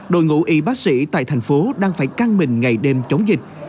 đội ngũ y bác sĩ tại thành phố đang phải căng mình ngày đêm chống dịch